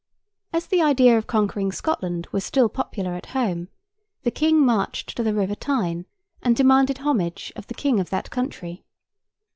As the idea of conquering Scotland was still popular at home, the King marched to the river Tyne and demanded homage of the King of that country.